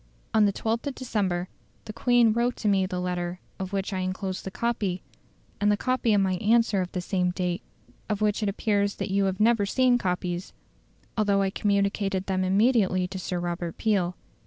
On the 12th of December the Queen wrote to me the letter of which I enclose the copy, and the copy of my answer of the same date; of which it appears that you have never seen copies, although I communicated them immediately to Sir Robert Peel.